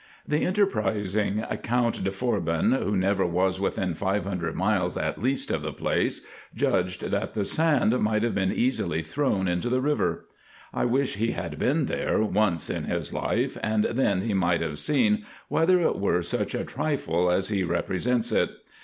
The enterprising Count de Forbin, who never was within five hundred miles at least of the place, judged that the sand might have been easily thrown into the river. I wish he had been there once in his life, and then he might have seen, whether it were such a trifle as he represents it.